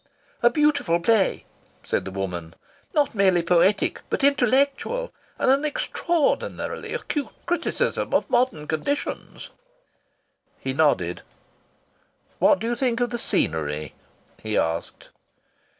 "A beautiful play!" said the woman. "Not merely poetic but intellectual! And an extraordinarily acute criticism of modern conditions!" He nodded. "What do you think of the scenery?" he asked.